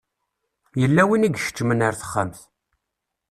Yella win i ikecmen ar texxamt.